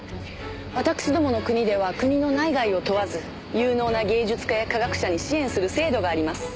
わたくしどもの国では国の内外を問わず有能な芸術家や科学者に支援する制度があります。